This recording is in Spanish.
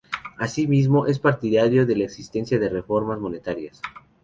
Así mismo es partidario de la existencia de reformas monetarias.